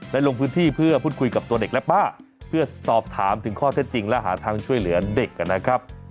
ลงพื้นที่เพื่อพูดคุยกับตัวเด็กและป้าเพื่อสอบถามถึงข้อเท็จจริงและหาทางช่วยเหลือเด็กนะครับ